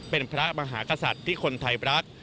เป็นพระมหากษัตริย์ที่คนไทยรัก